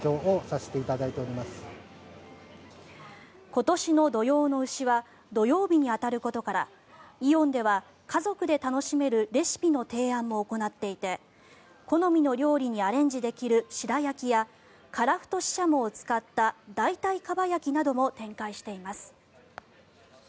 今年の土用の丑は土曜日に当たることからイオンでは家族で楽しめるレシピの提案も行っていて好みの料理にアレンジできる白焼きやカラフトシシャモを使った代替かば焼きなども展開しています。